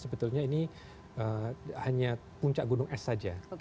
sebetulnya ini hanya puncak gunung es saja